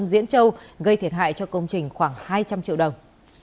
gây thiệt hại cho công trình khoảng hai trăm linh triệu đồng